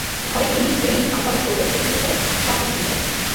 ঘরের TV, fridge, আলমারি, showcase থেকে শুরু করে সবকিছু ভেঙে ফেলেছে।